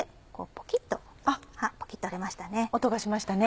ポキっと折れましたね。